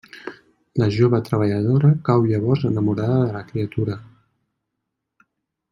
La jove treballadora cau llavors enamorada de la criatura.